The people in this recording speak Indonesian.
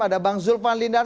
ada bang zulfan lindan